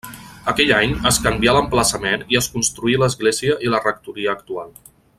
Aquell any es canvià l'emplaçament i es construí l'església i la rectoria actual.